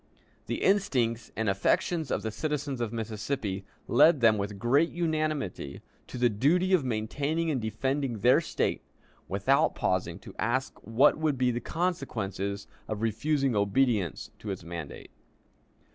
The instincts and affections of the citizens of Mississippi led them with great unanimity to the duty of maintaining and defending their State, without pausing to ask what would be the consequences of refusing obedience to its mandate.